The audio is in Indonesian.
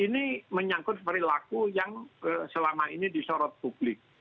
ini menyangkut perilaku yang selama ini disorot publik